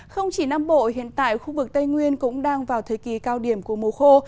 không chỉ nam bộ hiện tại khu vực tây nguyên cũng đang vào thời kỳ cao điểm của mùa khô